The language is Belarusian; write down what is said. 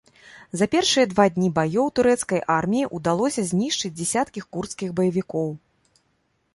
За першыя два дні баёў турэцкай арміі ўдалося знішчыць дзясяткі курдскіх баевікоў.